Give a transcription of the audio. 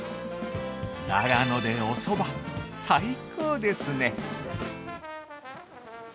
◆長野でおそば、最高ですね。